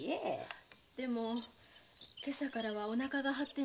でも今朝からはお腹が張って何も。